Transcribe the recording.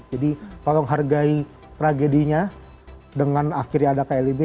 jadi tolong hargai tragedinya dengan akhirnya ada klb